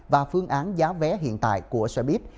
và phương án giá vé hiện tại của xe buýt